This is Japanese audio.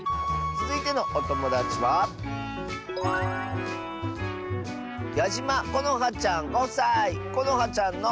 つづいてのおともだちはこのはちゃんの。